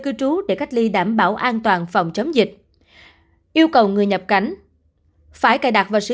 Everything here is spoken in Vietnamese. cư trú để cách ly đảm bảo an toàn phòng chống dịch yêu cầu người nhập cảnh phải cài đặt vào sử